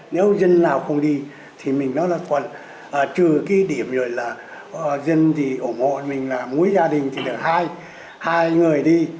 nếu dân nào không đi thì mình nói là còn trừ cái điểm rồi là dân thì ủng hộ mình là mỗi gia đình thì được hai người đi